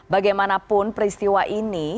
bagaimanapun peristiwa ini